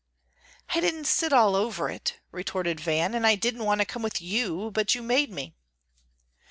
"I didn't sit all over it," retorted Van, "and I didn't want to come with you, but you made me."